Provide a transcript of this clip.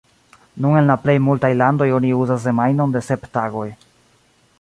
Nun en la plej multaj landoj oni uzas semajnon de sep tagoj.